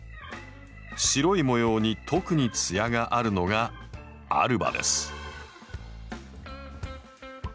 白い模様に特に艶があるのが‘アルバ’です。